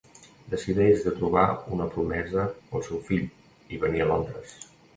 Decideix de trobar una promesa pel seu fill i venir a Londres.